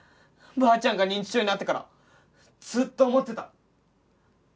ばあちゃんが認知症になってからずっと思ってた。